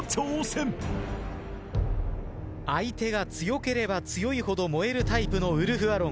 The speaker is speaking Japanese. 相手が強ければ強いほど燃えるタイプのウルフアロン。